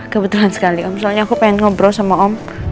kebetulan sekali om misalnya aku pengen ngobrol sama om